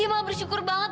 ibu mah bersyukur banget